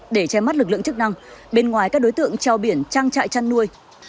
để che mắt lực lượng chức năng bên ngoài các đối tượng treo biển trang trại chăn nuôi